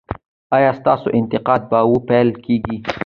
ایا ستاسو انتقاد به وپل کیږي؟